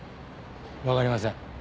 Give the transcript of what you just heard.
わかりません。